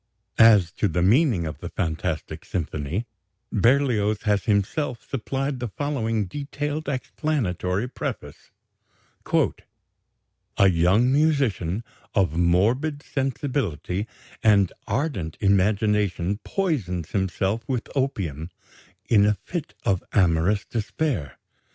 As to the meaning of the "Fantastic Symphony," Berlioz has himself supplied the following detailed explanatory preface: "A young musician of morbid sensibility and ardent imagination poisons himself with opium in a fit of amorous despair.